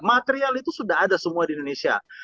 material itu sudah ada semua di indonesia